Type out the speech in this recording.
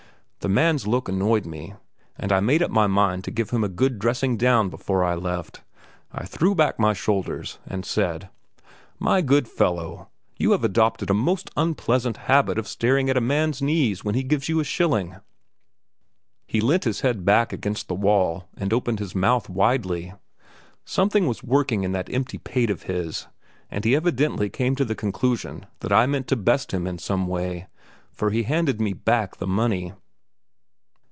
The man's look annoyed me, and I made up my mind to give him a good dressing down before I left him. I threw back my shoulders, and said: "My good fellow, you have adopted a most unpleasant habit of staring at a man's knees when he gives you a shilling." He leant his head back against the wall and opened his mouth widely; something was working in that empty pate of his, and he evidently came to the conclusion that I meant to best him in some way, for he handed me back the money.